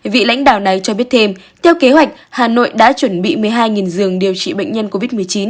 vị lãnh đạo này cho biết thêm theo kế hoạch hà nội đã chuẩn bị một mươi hai giường điều trị bệnh nhân covid một mươi chín